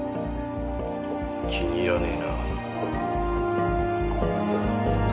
気に入らねえな。